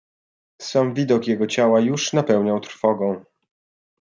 "Sam widok jego ciała już napełniał trwogą."